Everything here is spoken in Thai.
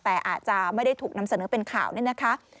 แต่อาจจะไม่ได้ถูกนำเสนอเป็นข่าวนี่นะคะ